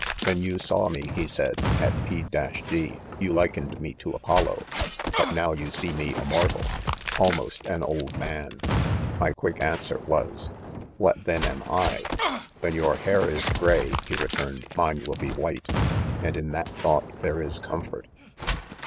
"When yon saw me,, he said, at p. — d, you likened me to Apollo ■; hut now foil seemea mortal — almost aii' old man. 55 — Mf ' quick answer was, what then am 1 1— "''When your rhair is gray, 55 he returned, "mine will He white ;| and in. that thought there is eom fort.